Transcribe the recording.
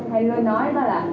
hãy đồng hành với chúng ta